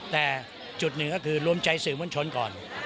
แต่จุดหนึ่งก็คือรวมใจสื่อมวลชนก่อน